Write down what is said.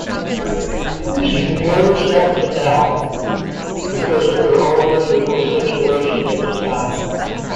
She compared herself to Nell, because of her own miserable situation at the time.